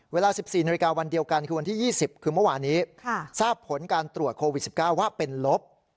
เวลา๑๔นาฬิกาวันเดียวกันคือวันที่๒๐คือเมื่อวานี้ทราบผลการตรวจโควิด๑๙ว่าเป็นลบ